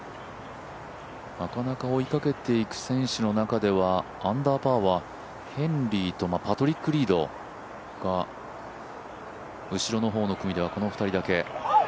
なかなか追いかけていく選手の中ではアンダーパーは、ヘンリーとパトリック・リード、後ろの方の組ではこの２人だけ。